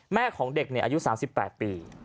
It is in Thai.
แม่ของเด็กอายุ๓๘ปี